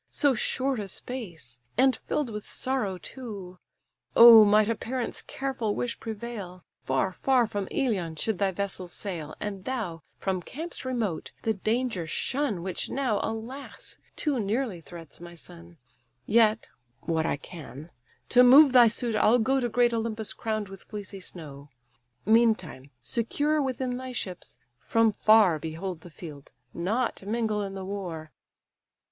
So short a space! and fill'd with sorrow too! O might a parent's careful wish prevail, Far, far from Ilion should thy vessels sail, And thou, from camps remote, the danger shun Which now, alas! too nearly threats my son. Yet (what I can) to move thy suit I'll go To great Olympus crown'd with fleecy snow. Meantime, secure within thy ships, from far Behold the field, not mingle in the war.